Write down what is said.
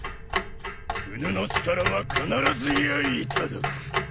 うぬの力は必ずや頂く。